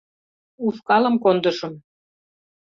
— Ушкалым кондышым.